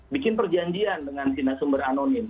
bikin perjanjian dengan sumber anonim